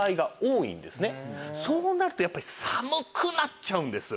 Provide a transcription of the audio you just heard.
そうなるとやっぱり寒くなっちゃうんです。